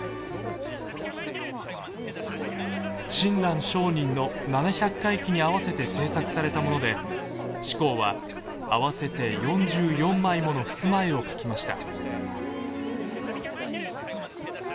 親鸞聖人の７００回忌に合わせて制作されたもので志功は合わせて４４枚ものふすま絵を描きました。